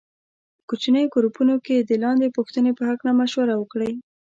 په کوچنیو ګروپونو کې د لاندې پوښتنې په هکله مشوره وکړئ.